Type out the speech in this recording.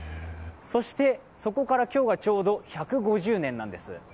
そしてそこから今日がちょうど１５０年なんです。